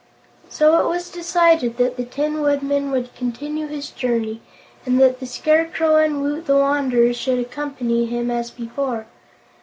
So it was decided that the Tin Woodman would continue his journey, and that the Scarecrow and Woot the Wanderer should accompany him, as before.